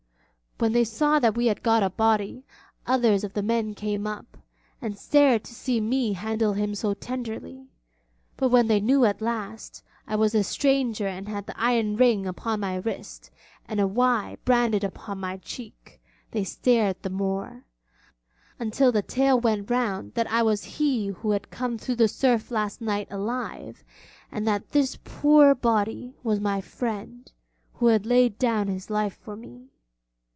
When they saw that we had got a body, others of the men came up, and stared to see me handle him so tenderly. But when they knew, at last, I was a stranger and had the iron ring upon my wrist, and a 'Y' burned upon my cheek, they stared the more; until the tale went round that I was he who had come through the surf last night alive, and this poor body was my friend who had laid down his life for me.